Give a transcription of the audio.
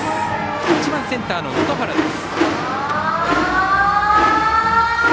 １番センターの能登原です。